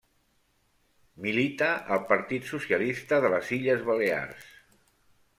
Milita al Partit Socialista de les Illes Balears.